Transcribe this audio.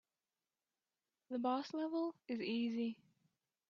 The boss level is easy.